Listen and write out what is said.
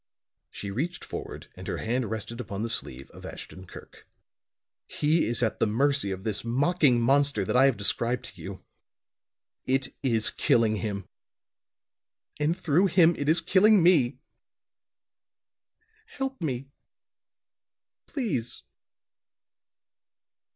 She reached forward and her hand rested upon the sleeve of Ashton Kirk. "He is at the mercy of this mocking monster that I have described to you. It is killing him, and through him it is killing me. Help me, please."